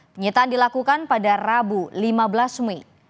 penyitaan dilakukan pada rabu lima belas mei